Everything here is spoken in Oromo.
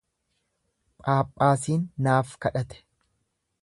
Phaaphaasiin naaf kadhate.